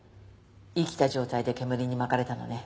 生きた状態で煙に巻かれたのね。